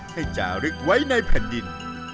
ให้จ่าลึกไว้ในแผ่นดิน